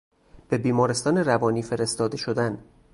به بیمارستان روانی فرستاده شدن